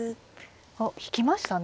おっ引きましたね。